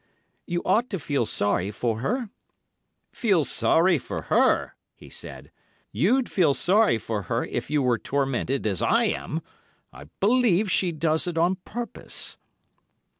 'You ought to feel sorry for her.' 'Feel sorry for her,' he said. 'You'd feel sorry for her if you were tormented as I am. I believe she does it on purpose.